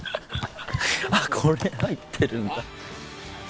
これ入ってるんだ。